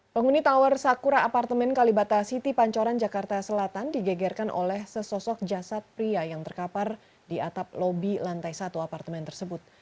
penghuni tower sakura apartemen kalibata city pancoran jakarta selatan digegerkan oleh sesosok jasad pria yang terkapar di atap lobi lantai satu apartemen tersebut